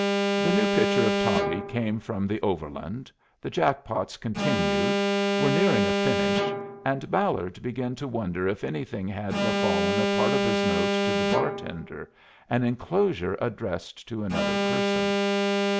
The new pitcher of toddy came from the Overland, the jack pots continued, were nearing a finish, and Ballard began to wonder if anything had befallen a part of his note to the bar tender, an enclosure addressed to another person.